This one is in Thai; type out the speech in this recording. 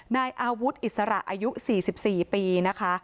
นายอาวุธอิสระอายุ๔๔ปีนะคะ